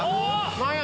何や？